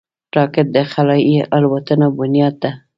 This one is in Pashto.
راکټ د خلایي الوتنو بنیاد ده